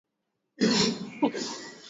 kueneza dini ya kiislamu Hata hivyo lugha